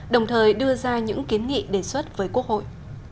đồng thời đưa ra những kiến nghị đề xuất với quốc hội